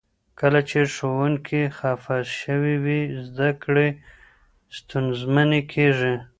کله چې ښوونکي خفه شوي وي، زده کړې ستونزمنې کیږي.